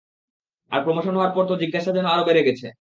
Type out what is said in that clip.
আর promotion হওয়ার পর তো, জিজ্ঞাসা যেন আরও বেড়ে গেছে।